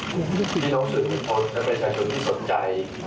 คุณพี่น้องศึกผมเป็นชายชนที่สนใจ